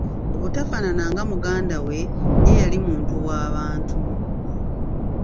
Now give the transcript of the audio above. Obutafaanana nga muganda we, ye yali muntu waabantu.